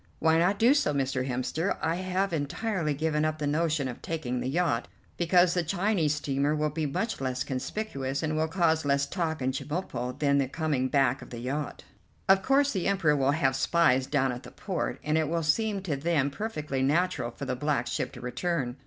"Why not do so, Mr. Hemster. I have entirely given up the notion of taking the yacht, because the Chinese steamer will be much less conspicuous and will cause less talk in Chemulpo than the coming back of the yacht. Of course the Emperor will have spies down at the port, and it will seem to them perfectly natural for the black ship to return.